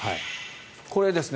これですね。